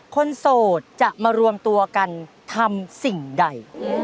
โสดจะมารวมตัวกันทำสิ่งใด